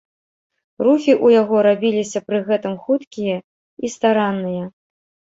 Рухі ў яго рабіліся пры гэтым хуткія і старанныя.